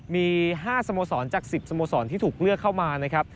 มี๕สโมสรจาก๑๐สโมสรที่ถูกเลือกเข้ามานะครับ